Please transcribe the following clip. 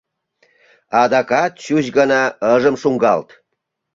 Адакат чуч гына ыжым шуҥгалт.